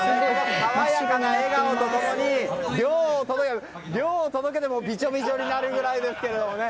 爽やかな笑顔と共に涼を届けても、びちょびちょになるぐらいですけどね。